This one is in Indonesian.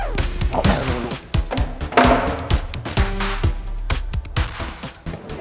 udah dibantuin bukan dikumpulin